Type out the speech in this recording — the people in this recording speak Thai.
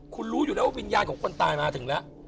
คุณรู้อยู่แล้วว่าวิญญาณของคนตายมาถึงแล้ว